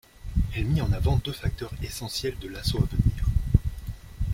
Elle mit en avant deux facteurs essentiels de l'assaut à venir.